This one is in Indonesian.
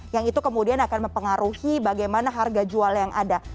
yang itu kemudian akan mempengaruhi bagaimana harga jual yang ada